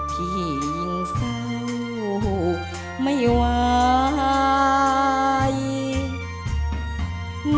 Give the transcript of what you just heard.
ยิ่งเศร้าไม่ไหว